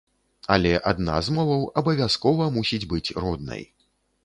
Але адна з моваў абавязкова мусіць быць роднай.